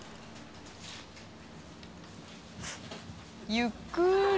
ゆっくり。